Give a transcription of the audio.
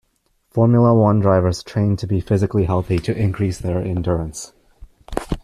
Formula one drivers train to be physically healthy to increase their endurance.